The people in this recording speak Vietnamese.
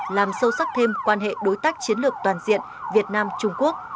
làm sâu sắc thêm quan hệ đối tác chiến lược toàn diện việt nam trung quốc